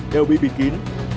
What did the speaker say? đều bị bịt kín